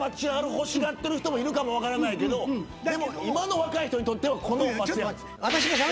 欲しがってる人もいるかも分からないけどでも今の若い人にとってはこの。